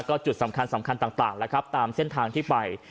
ก็จุดสำคัญสำคัญต่างแล้วครับตามเส้นทางที่ไป